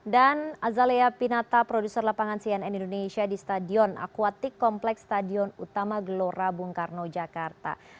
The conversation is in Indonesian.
dan azalea pinata produser lapangan cnn indonesia di stadion aquatic complex stadion utama gelora bung karno jakarta